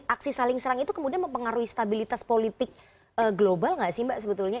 aksi saling serang itu kemudian mempengaruhi stabilitas politik global nggak sih mbak sebetulnya